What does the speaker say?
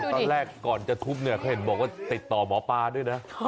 ตอนแรกก่อนจะทุบเนี่ยเขาเห็นบอกว่าติดต่อหมอปลาด้วยนะ